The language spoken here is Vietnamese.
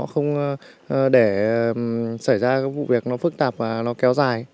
không để xảy ra các vụ việc nó phức tạp và nó kéo dài